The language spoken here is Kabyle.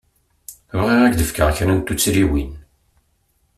Bɣiɣ ad k-d-fkeɣ kra n tuttriwin.